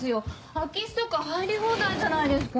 空き巣とか入り放題じゃないですか。